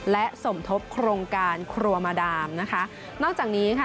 และสมทบโครงการครัวมาดามนะคะนอกจากนี้ค่ะ